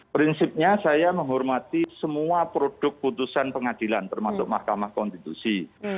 prinsipnya saya menghormati semua produk putusan pengadilan termasuk mahkamah konstitusi